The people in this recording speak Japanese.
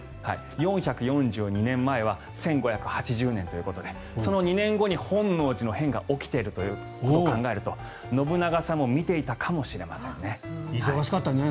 ４４２年前は１５８０年ということでその２年後に本能寺の変が起きているということを考えると信長さんも見ていたかもしれませんね。